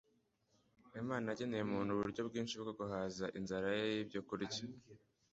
imana yageneye umuntu uburyo bwinshi bwo guhaza inzara ye y'ibyokurya